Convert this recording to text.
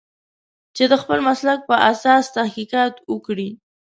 چې د خپل مسلک په اساس تحقیقات وکړي.